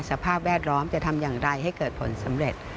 สภาพแวดล้อมจะทำอย่างไรให้เกิดผลสำเร็จ